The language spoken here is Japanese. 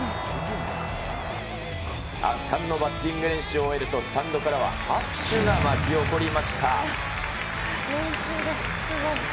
圧巻のバッティング練習を終えると、スタンドからは拍手がわき起こりました。